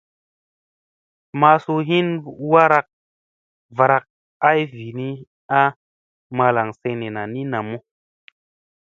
Masu hin varak ay vini a malaŋ senena ni namu.